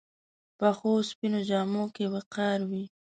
پخو سپینو جامو کې وقار وي